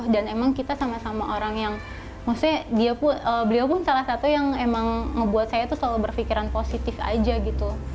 dan emang kita sama sama orang yang maksudnya beliau pun salah satu yang emang ngebuat saya tuh selalu berpikiran positif aja gitu